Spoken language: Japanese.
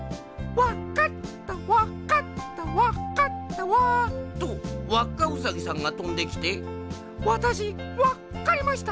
「わっかったわっかったわっかったわ」とわっかウサギさんがとんできて「わたしわっかりました。